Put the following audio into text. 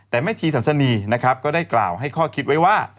แต่แม่ชีสันสนีนะครับก็ได้กล่าวให้ข้อคิดไว้ว่า